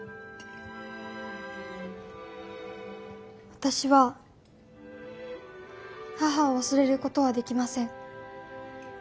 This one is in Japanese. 私は母を忘れることはできません。